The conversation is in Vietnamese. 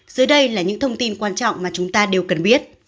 dưới đây là những thông tin quan trọng mà chúng ta đều cần biết